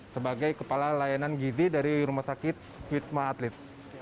sebagai kepala layanan gizi dari rumah sakit wisma atlet